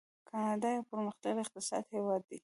کاناډا یو پرمختللی اقتصادي هیواد دی.